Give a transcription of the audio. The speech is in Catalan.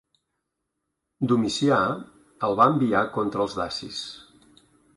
Domicià el va enviar contra els dacis.